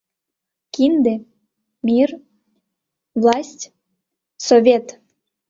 Кинде, мир... власть — Совет!..